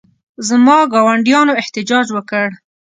زما ګاونډیانو احتجاج وکړ.